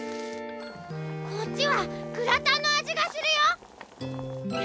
こっちはグラタンの味がするよ！